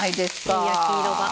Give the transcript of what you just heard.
いい焼き色が。